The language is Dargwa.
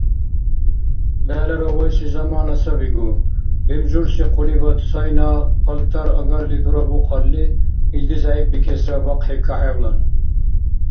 БегӀлара вайси замана сабигу, бемжурси хъулибад цайна палтар агарли дурабухъалли, илди зягӀипбикесра бахъхӀи кахӀевлан.